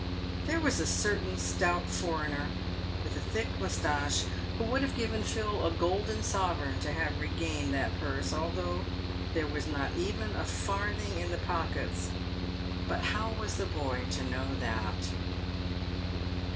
There was a certain stout foreigner with a thick moustache who would have given Phil a golden sovereign to have regained that purse, although there was not even a farthing in the pockets : but how was the boy to know that.